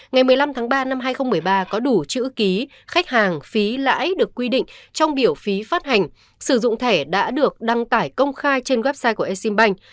ngày một mươi năm tháng ba năm hai nghìn một mươi ba có đủ chữ ký khách hàng phí lãi được quy định trong biểu phí phát hành sử dụng thẻ đã được đăng tải công khai trên website của exim bank